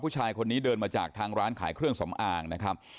ผู้ชายคนนี้เดินมาจากทางร้านขายเครื่องสำอางนะครับ